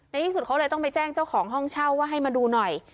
ที่สุดเขาเลยต้องไปแจ้งเจ้าของห้องเช่าว่าให้มาดูหน่อย